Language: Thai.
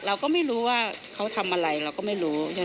เราก็ไม่รู้ว่าเขาทำอะไรเราก็ไม่รู้